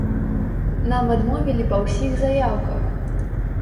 Нам адмовілі па ўсіх заяўках!